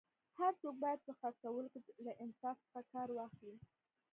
هر څوک باید په خرڅولو کي له انصاف څخه کار واخلي